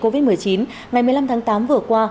covid một mươi chín ngày một mươi năm tháng tám vừa qua